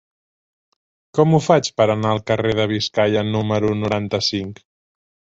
Com ho faig per anar al carrer de Biscaia número noranta-cinc?